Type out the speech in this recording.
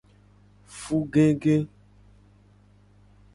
Fugege.